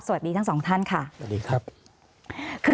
สวัสดีครับทุกคน